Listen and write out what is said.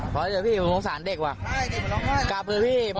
พอเจอพี่มันโทษสานเด็กว่ะได้เด็กเหมือนน้องค่ะ